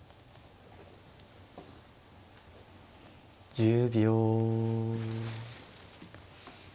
１０秒。